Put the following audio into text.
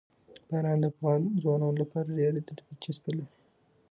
باران د افغان ځوانانو لپاره ډېره دلچسپي لري.